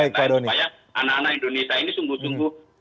supaya anak anak indonesia ini sungguh sungguh